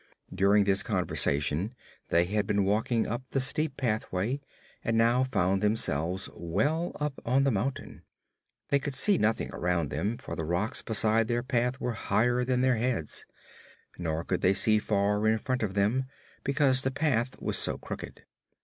During this conversation they had been walking up the steep pathway and now found themselves well up on the mountain. They could see nothing around them, for the rocks beside their path were higher than their heads. Nor could they see far in front of them, because the path was so crooked.